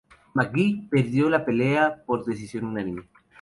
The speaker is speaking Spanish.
McGee perdió la pelea por decisión unánime.